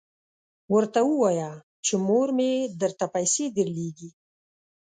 ورته ووایه چې مور مې درته پیسې درلیږي.